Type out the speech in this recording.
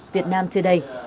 việt nam today